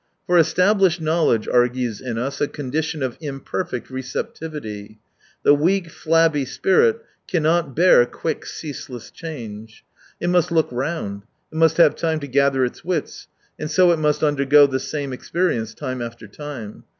For established know ledge argues in us a condition of imperfect receptivity. The weak, flabby spirit can not bear quick, ceaseless change. It must look round, it must have time to gather its wits, and so it must undergo the same experience time after time.